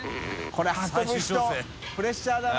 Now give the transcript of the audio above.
これ運ぶ人プレッシャーだな。